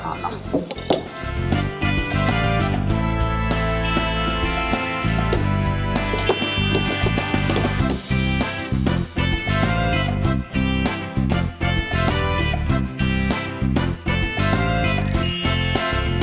กินที่๓อันแล้ว